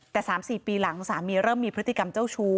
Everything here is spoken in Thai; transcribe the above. แต่๓๔ปีหลังสามีเริ่มมีพฤติกรรมเจ้าชู้